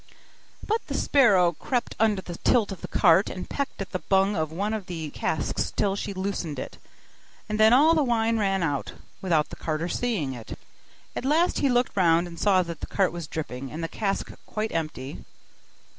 But the sparrow crept under the tilt of the cart, and pecked at the bung of one of the casks till she loosened it; and then all the wine ran out, without the carter seeing it. At last he looked round, and saw that the cart was dripping, and the cask quite empty.